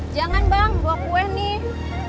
jangan bang buat kue nih